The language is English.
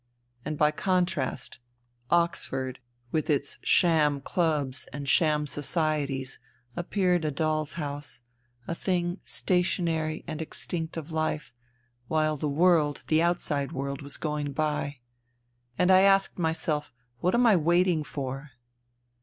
And by contrast, Oxford with its sham 230 FUTILITY clubs and sham societies appeared a doll's house, a thing stationary and extinct of life, while the world, the Outside World, was going by. And I asked myself : What am I waiting for